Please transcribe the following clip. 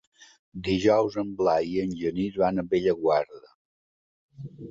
Dijous en Blai i en Genís van a Bellaguarda.